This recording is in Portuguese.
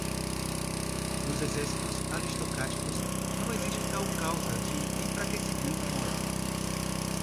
Nos exércitos aristocráticos não existe tal causa de enfraquecimento moral.